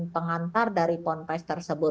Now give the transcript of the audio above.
pada saat proses tersebut